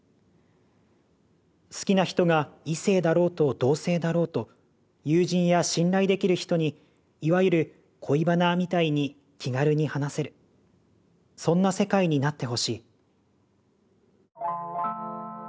「好きな人が異性だろうと同性だろうと友人や信頼できる人にいわゆる恋バナみたいに気軽に話せるそんな世界になってほしい」。